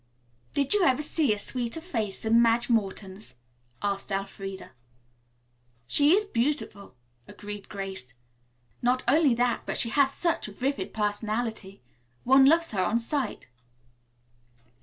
"Did you ever see a sweeter face than Madge Morton's?" asked Elfreda. "She is beautiful," agreed Grace; "not only that, but she has such a vivid personality. One loves her on sight."